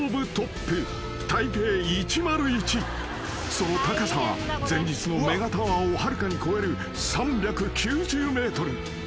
［その高さは前日のメガタワーをはるかに超える３９０ｍ］